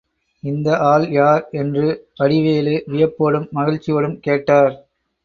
இந்த ஆள் யார்? என்று வடிவேலு வியப்போடும் மகிழ்ச்சியோடும் கேட்டார்.